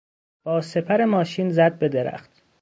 با سپر ماشین زد به درخت.